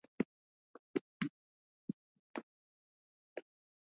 kutangaza kunahitaji ujasiri wa kuhoji hadhira